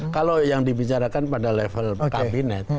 kalau yang dibicarakan pada level kabinet